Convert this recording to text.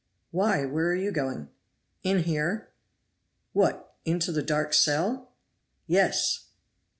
"Why, where are you going?" "In here." "What, into the dark cell?" "Yes!"